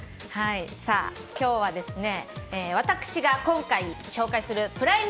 今日は、私が今回、紹介するプライム